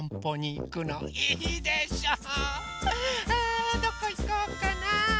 あどこいこうかな？